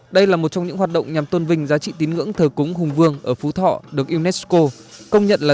đây là một trong những hoạt động nhằm tôn vinh giá trị tín ngưỡng thờ cúng hùng vương ở phú thọ được unesco công nhận là